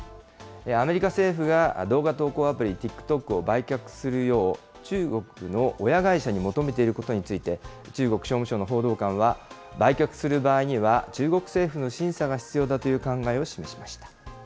アメリカ政府が動画投稿アプリ、ＴｉｋＴｏｋを売却するよう中国の親会社に求めていることについて、中国商務省の報道官は、売却する場合には、中国政府の審査が必要だという考えを示しました。